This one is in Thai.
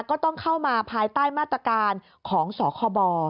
ก็ต้องเข้ามาภายใต้มาตรการของสคบ